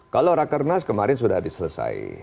kalau rakernas kemarin sudah diselesai